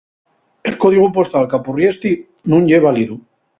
El códigu postal qu'apurriesti nun ye válidu.